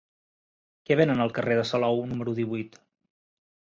Què venen al carrer de Salou número divuit?